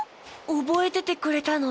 おぼえててくれたの？